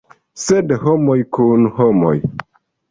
Sed homoj kun homoj.